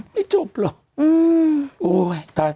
ไม่จบหรอก